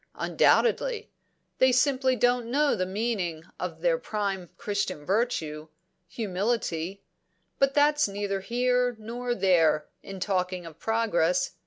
"Undoubtedly. They simply don't know the meaning of the prime Christian virtue humility. But that's neither here nor there, in talking of progress.